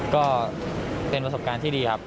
ก็เป็นประสบการณ์ที่ดีครับ